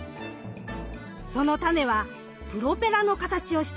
そのタネはプロペラの形をしています。